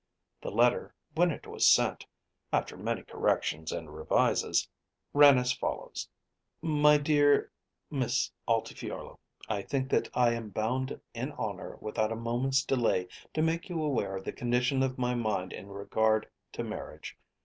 The letter when it was sent, after many corrections and revises, ran as follows: MY DEAR MISS ALTIFIORLA, I think that I am bound in honour without a moment's delay to make you aware of the condition of my mind in regard to marriage.